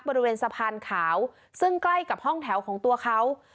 บริเวณสะพานขาวซึ่งใกล้กับห้องแถวของตัวเขา